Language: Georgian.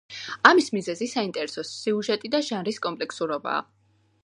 ამის მიზეზი საინტერესო სიუჟეტი და ჟანრის კომპლექსურობაა.